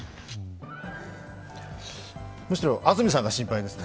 むしろ安住さんが心配ですね。